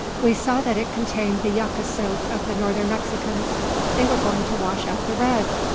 We saw that it contained the yucca soap of the Northern Mexicans. They were going to wash out the red!